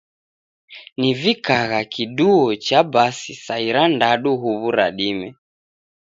Nivikagha kiduo cha basi saa irandadu huw'u ra dime.